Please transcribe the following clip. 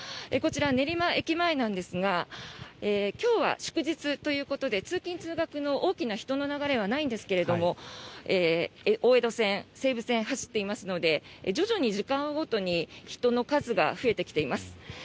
こちら、練馬駅前なんですが今日は祝日ということで通勤・通学の大きな人の流れはないんですが大江戸線、西武線が走っていますので徐々に時間を追うごとに人の数が増えてきています。